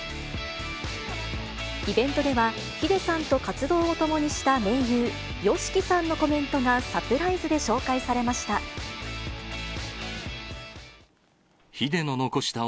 イベントではｈｉｄｅさんと活動を共にした盟友、ＹＯＳＨＩＫＩさんのコメントがサプライズで紹介されました。